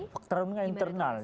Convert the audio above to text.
faktor pertarungan internal